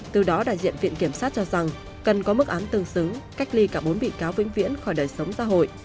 từ đó đại diện viện kiểm sát cho rằng cần có mức án tương xứng cách ly cả bốn bị cáo vĩnh viễn khỏi đời sống xã hội